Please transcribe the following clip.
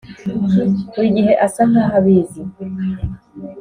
buri gihe asa nkaho abizi,